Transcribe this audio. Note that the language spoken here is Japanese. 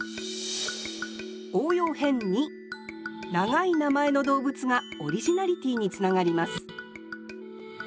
応用編２長い名前の動物がオリジナリティーにつながります